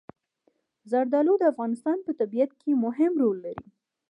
زردالو د افغانستان په طبیعت کې مهم رول لري.